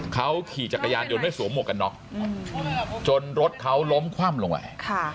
เขาขี่จักรยานยนต์ไม่สวมหมวกกันน็อกจนรถเขาล้มคว่ำลงไป